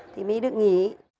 thì mới được nghỉ